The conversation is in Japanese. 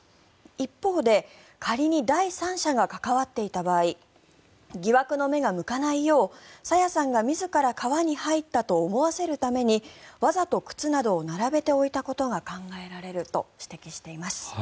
一方で仮に第三者が関わっていた場合疑惑の目が向かないよう朝芽さんが自ら川に入ったと思わせるために、わざと靴などを並べて置いたことが考えられると指摘しています。